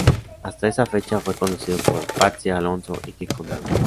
Hasta esa fecha, fue conducido por Patxi Alonso, y Kiko Narváez.